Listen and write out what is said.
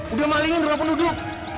udah malingin ramah penduduk